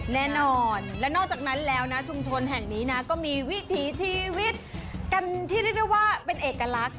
แน่นอนและนอกจากนั้นแล้วนะชุมชนแห่งนี้นะก็มีวิถีชีวิตกันที่เรียกได้ว่าเป็นเอกลักษณ